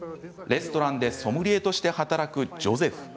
レストランでソムリエとして働くジョゼフ。